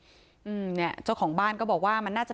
ไปโบกรถจักรยานยนต์ของชาวอายุขวบกว่าเองนะคะ